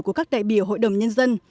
của các đại biểu hội đồng nhân dân